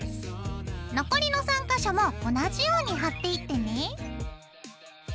残りの３か所も同じように貼っていってね。